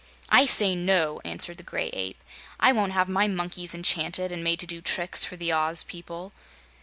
"I say no!" answered the Gray Ape. "I won't have my monkeys enchanted and made to do tricks for the Oz people."